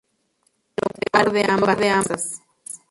A lo peor de ambas razas.